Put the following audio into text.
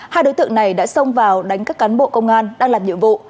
hai đối tượng này đã xông vào đánh các cán bộ công an đang làm nhiệm vụ